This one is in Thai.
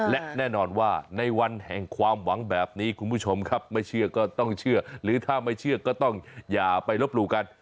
และแน่นอนว่าในวันแห่งความหวังแบบนี้คุณผู้ชมครับไม่เชื่อก็ต้องเชื่อหรือถ้าไม่เชื่อก็ต้องอย่าไปลบหลู่กัน